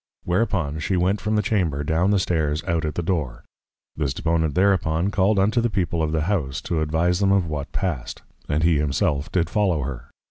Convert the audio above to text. Whereupon she went from the Chamber, down the Stairs, out at the Door. This Deponent thereupon called unto the People of the House, to advise them of what passed; and he himself did follow her.